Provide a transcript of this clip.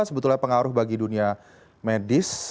sebetulnya pengaruh bagi dunia medis